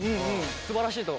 素晴らしいと。